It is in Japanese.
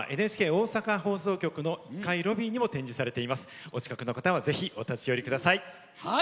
ＮＨＫ大阪のロビーにも展示してありますのでお近くの方はぜひ、お立ち寄りください。